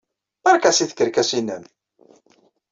Beṛka seg tkerkas-nnem!